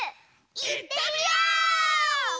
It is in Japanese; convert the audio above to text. いってみよう！